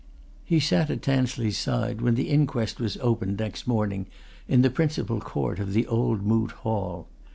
He sat at Tansley's side when the inquest was opened next morning in the principal court of the old Moot Hall.